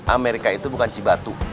amerika itu bukan cibati